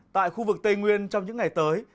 tại khu vực tây nguyên trong những ngày tới